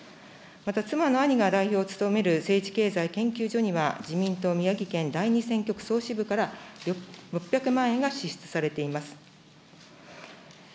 また妻の兄が代表を務める政治経済研究所には自民党宮城県第２選挙区総支部から６００万円が支出されています。